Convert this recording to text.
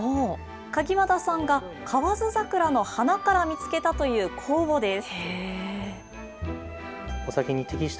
鍵和田さんが河津桜の花から見つけたという酵母です。